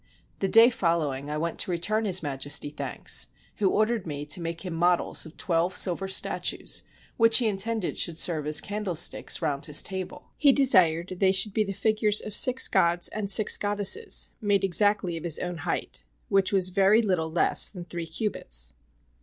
The day following, I went to return His Majesty thanks, who ordered me to make him models of twelve silver statues, which he intended should serve as candlesticks round his table. He desired they should be the figures of six gods and six goddesses, made exactly of his own height, which was very little less than three cubits.